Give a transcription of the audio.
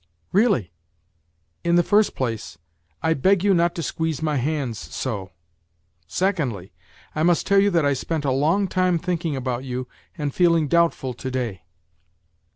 " Really ? In the first place, I beg you not to squeeze my hands so ; secondly, I must tell you that I spent a long time think ing about you and feeling doubtful to day."